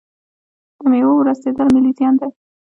د میوو ورستیدل ملي زیان دی.